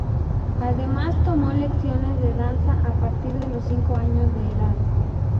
Además, tomó lecciones de danza a partir de los cinco años de edad.